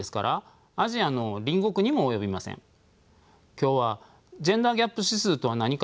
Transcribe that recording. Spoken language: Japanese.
今日はジェンダーギャップ指数とはなにか？